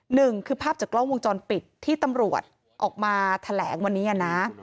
หนึ่งคือภาพจากกล้องวงจรปิดที่ตำรวจออกมาแถลงวันนี้นะ